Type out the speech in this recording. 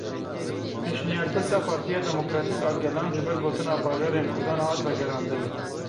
Pêşniyarpirsa Partiya Demokratîk a Gelan ji ber gotina Bajarên Kurdan hat vegerandin.